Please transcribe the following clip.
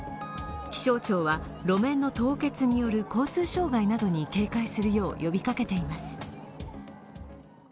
気象庁は路面の凍結による交通障害などに警戒するよう呼びかけています。